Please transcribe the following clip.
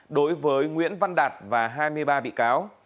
đối với nguyễn văn đạt và hai mươi ba bị cáo